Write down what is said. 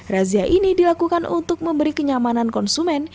razia ini dilakukan untuk memberi kenyamanan konsumen